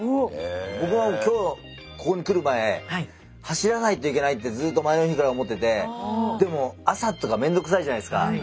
僕は今日ここに来る前走らないといけないってずっと前の日から思っててでも朝とかめんどくさいじゃないすか。